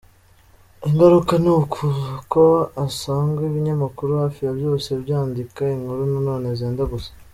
Ingaruka ni uko usanga ibinyamakuru hafi ya byose byandika inkuru nanone zenda gusa.